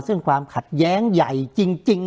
คุณลำซีมัน